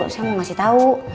saya mau kasih tahu